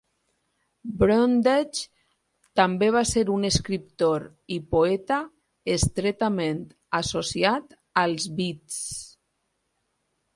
Brundage també va ser un escriptor i poeta estretament associat als Beats.